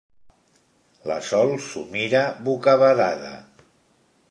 La Sol s'ho mira bocabadada.